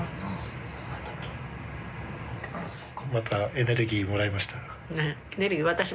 エネルギーもらいました？